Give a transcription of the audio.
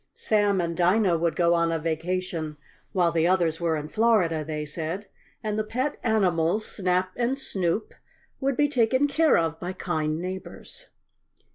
Sam and Dinah would go on a vacation while the others were in Florida, they said, and the pet animals, Snap and Snoop, would be taken care of by kind neighbors.